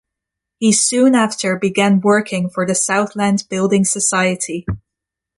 He soon after began working for the Southland Building Society.